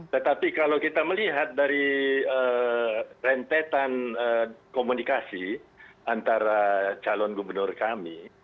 tetapi kalau kita melihat dari rentetan komunikasi antara calon gubernur kami